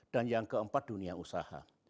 dan yang keempat dunia usaha